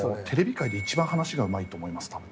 テレビ界で一番話がうまいと思います